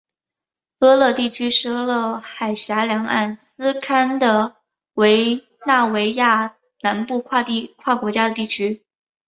厄勒地区是厄勒海峡两岸斯堪的纳维亚南部跨国家的地区。